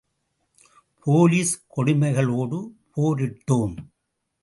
Police கொடுமைகளோடு போரிட்டோம்.